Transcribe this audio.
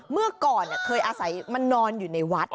เมื่อก่อนเคยอาศัยมันนอนอยู่ในวัด